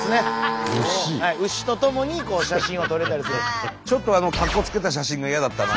牛とともに写真を撮れたりする。